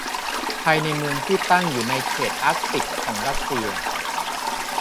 ภายในเมืองที่ตั้งอยู่ในเขตอาร์กติกของรัสเซีย